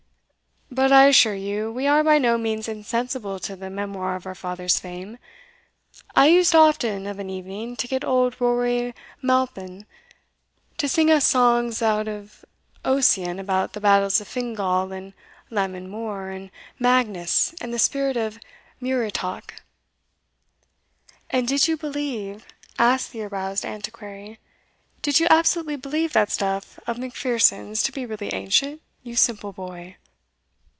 But I assure you, we are by no means insensible to the memoir of our fathers' fame; I used often of an evening to get old Rory MAlpin to sing us songs out of Ossian about the battles of Fingal and Lamon Mor, and Magnus and the Spirit of Muirartach." "And did you believe," asked the aroused Antiquary, "did you absolutely believe that stuff of Macpherson's to be really ancient, you simple boy?"